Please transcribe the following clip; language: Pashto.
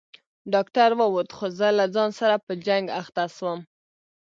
ډاکتر ووت خو زه له ځان سره په جنگ اخته سوم.